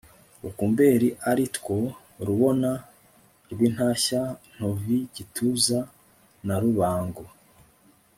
Rukumberi aritwo Rubona Rwintashya Ntovi Gituza na Rubango